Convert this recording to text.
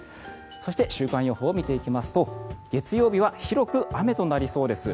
そして、週間予報を見ていきますと月曜日は広く雨となりそうです。